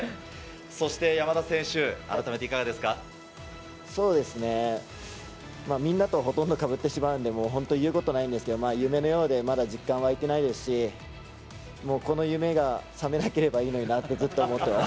そして山田選手、改めていかがでそうですね、みんなとほとんどかぶってしまうんで、本当に言うことないんですけど、夢のようで、まだ実感湧いてないですし、もうこの夢が覚めなければいいのになってずっと思ってます。